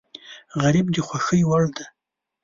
غریب د خوښۍ وړ دی